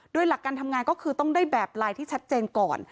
โดยหลักการทำงานก็คือต้องได้แบบไลน์ที่ชัดเจนก่อน